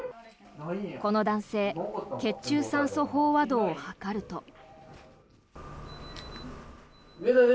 この男性血中酸素飽和度を測ると。